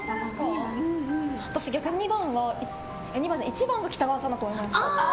私、逆に１番が喜多川さんだと思うんですよ。